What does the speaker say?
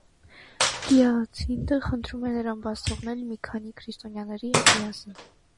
Գիացինտը խնդրում է նրան բաց թողնել մի քանի քրիստոնյաների հետ միասին։